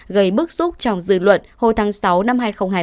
gây bức xúc trong dư luận hồi tháng sáu năm hai nghìn hai mươi ba